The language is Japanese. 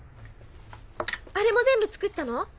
あれも全部作ったの？